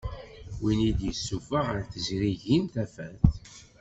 Win i d-yessuffeɣ ɣer tezrigin tafat.